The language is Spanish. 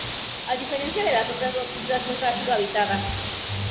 A diferencia de las otras dos islas, nunca ha sido habitada.